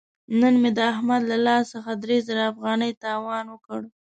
نن مې د احمد له لاس څخه درې زره افغانۍ تاوان وکړ.